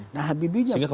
nah habibinya punya peran